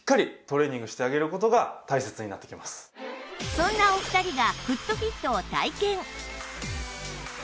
そんなお二人が